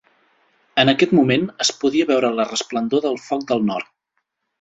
En aquest moment, es podia veure la resplendor del foc del nord.